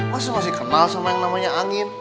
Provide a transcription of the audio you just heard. masih masih kental sama yang namanya angin